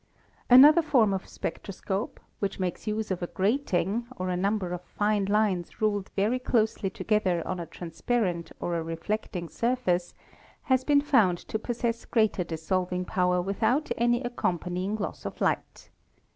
Another form of spectro scope, which makes use of a grating or a number of fine lines ruled very closely together on a transparent or a reflecting surface, has been found to possess greater dis solving power without any accompanying loss of light.